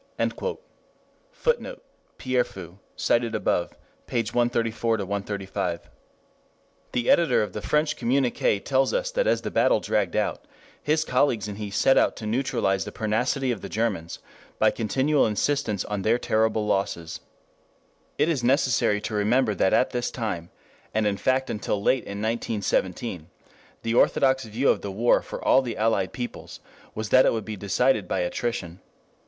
[Footnote: Pierrefeu, op. cit., pp. 134 5.] 2 The editor of the French communiqué tells us that as the battle dragged out, his colleagues and he set out to neutralize the pertinacity of the Germans by continual insistence on their terrible losses. It is necessary to remember that at this time, and in fact until late in 1917, the orthodox view of the war for all the Allied peoples was that it would be decided by "attrition."